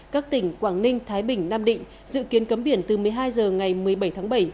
các tỉnh quảng ninh thái bình nam định dự kiến cấm biển từ một mươi hai h ngày một mươi bảy tháng bảy